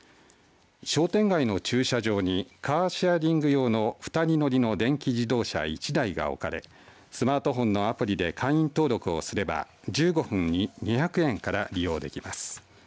商店街の駐車場にカーシェアリング用の２人乗りの電気自動車１台が置かれスマートフォンのアプリで会員登録をすれば１５分２００円から利用できます。